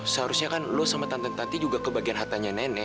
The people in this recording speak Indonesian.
seharusnya kan lo sama tante tante juga kebagian hartanya nenek